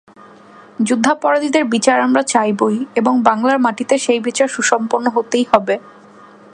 যুদ্ধাপরাধীদের বিচার আমরা চাইবই, এবং বাংলার মাটিতে সেই বিচার সুসম্পন্ন হতেই হবে।